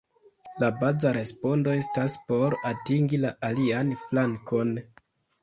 La baza respondo estas "por atingi la alian flankon".